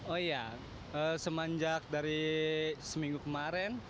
oh iya semenjak dari seminggu kemarin